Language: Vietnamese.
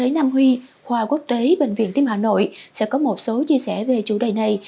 nam huy khoa quốc tế bệnh viện tim hà nội sẽ có một số chia sẻ về chủ đề này